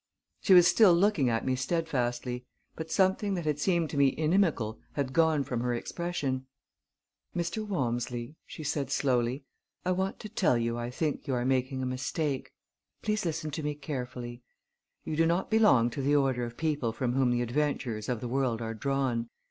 She was still looking at me steadfastly; but something that had seemed to me inimical had gone from her expression. "Mr. Walmsley," she said slowly, "I want to tell you I think you are making a mistake. Please listen to me carefully. You do not belong to the order of people from whom the adventurers of the world are drawn.